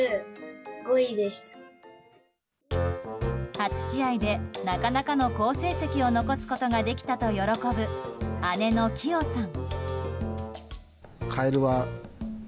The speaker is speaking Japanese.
初試合で、なかなかの好成績を残すことができたと喜ぶ姉の葵央さん。